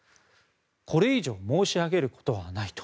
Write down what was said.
これ以上申し上げることはないと。